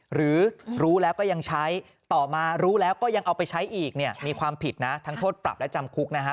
หรือรู้แล้วก็ยังใช้ต่อมารู้แล้วก็ยังเอาไปใช้อีกเนี่ยมีความผิดนะทั้งโทษปรับและจำคุกนะฮะ